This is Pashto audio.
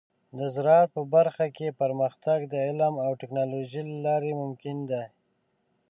د زراعت په برخه کې پرمختګ د علم او ټیکنالوجۍ له لارې ممکن دی.